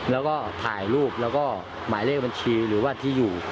แล้วก็ถ่ายรูปแล้วก็หมายเลขบัญชีหรือว่าที่อยู่